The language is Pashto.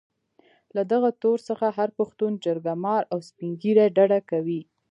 له دغه تور څخه هر پښتون جرګه مار او سپين ږيري ډډه کوي.